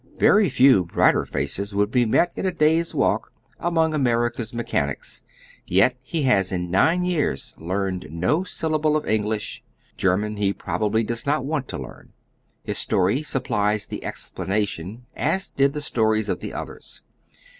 Yery few brighter faces would be met in a day's walk among American mechanics, yet he has in nine years learned no syllable of English. German he probably does not want to learn. His story supplies the explanation, as did the stories of the others.